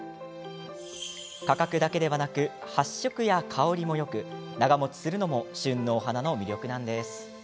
価格だけでなく発色や香りもよく長もちするのも旬のお花の魅力なんです。